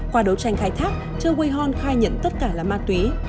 qua đấu tranh khai thác choe wei hon khai nhận tất cả là ma túy